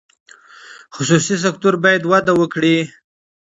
خصوصي سکتور باید وده وکړي.